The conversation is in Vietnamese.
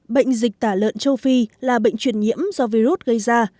bệnh dịch tả lợn châu phi là bệnh truyền nhiễm do virus gây ra